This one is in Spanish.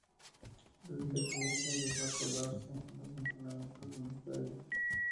Desde el accidente empezó a colarse en los entrenamientos en Mestalla.